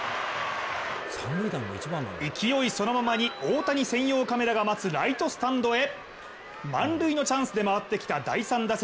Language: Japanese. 勢いそのままに大谷専用カメラが待つライトスタンドへ満塁のチャンスで回ってきた第３打席。